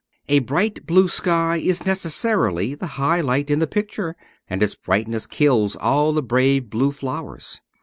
A bright blue sky is necessarily the high light in the picture, and its brightness kills all the bright blue flowers.